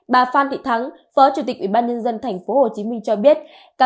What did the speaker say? bà phan thị thắng phó chủ tịch ủy ban nhân dân thành phố hồ chí minh cho biết